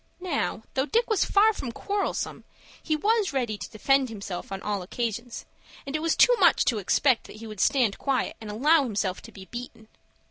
Now, though Dick was far from quarrelsome, he was ready to defend himself on all occasions, and it was too much to expect that he would stand quiet and allow himself to be beaten.